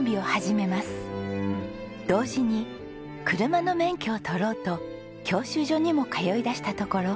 同時に車の免許を取ろうと教習所にも通いだしたところ